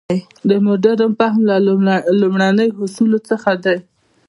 د مډرن فهم له لومړنیو اصولو څخه دی.